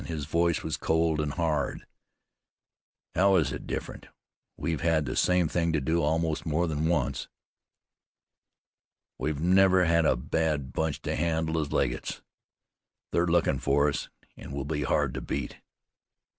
His voice was cold and hard. "How is it different? We've had the same thing to do, almost, more than once." "We've never had as bad a bunch to handle as Legget's. They're lookin' fer us, an' will be hard to beat."